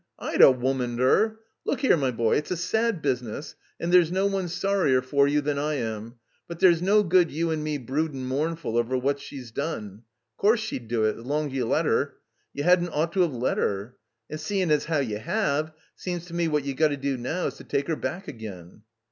Woman? I'd'a'womaned'er! Look *ere, my boy, it's a sad business, tod there's no one sorrier for you than I am, but there's no good you and me broodin' mournful over what she's done. Course she'd do it, 's long's you let her. You hadn't ought to 'ave let 'er. And seein' as how you have, seems to me what you've got to do now is to take her back again."